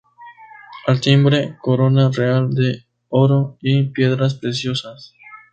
Al timbre, corona real de oro y piedras preciosas.